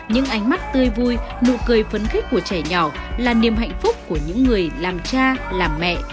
những ánh mắt tươi vui nụ cười phấn khích của trẻ nhỏ là niềm hạnh phúc của những người làm cha làm mẹ